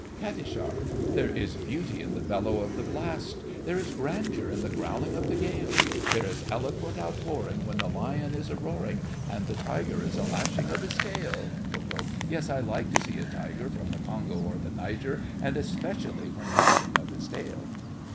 KAT. There is beauty in the bellow of the blast, There is grandeur in the growling of the gale, There is eloquent outpouring When the lion is a roaring, And the tiger is a lashing of his tail! KO. Yes, I like to see a tiger From the Congo or the Niger, And especially when lashing of his tail!